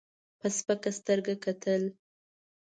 په سپکه سترګه کتل.